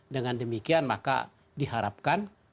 dengan demikian maka diharapkan